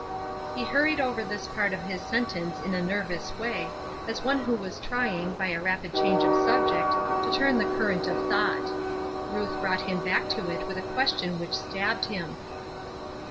He hurried over this part of his sentence in a nervous way, as one who was trying, by a rapid change of subject, to turn the current of thought. Ruth brought him back to it with a question which stabbed him.